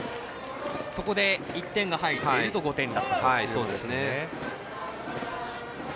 そこで１点が入っていると５点だったということですね。